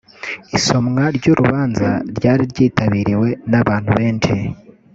Isomwa ry’urubanza ryari ryitabiriwe n’abantu benshi